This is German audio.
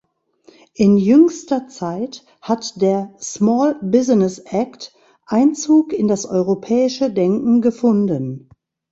In jüngster Zeit hat der "Small Business Act" Einzug in das europäische Denken gefunden.